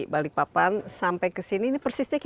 jangan saya berni matthew